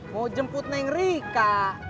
mau jemput neng rika